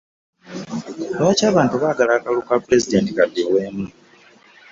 Lwaki abantu bagala akalulu ka pulezidenti kadibwemu?